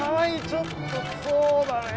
ちょっとそうだね！